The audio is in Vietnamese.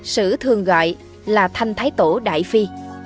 sử thường gọi là thanh thái tổ đại phi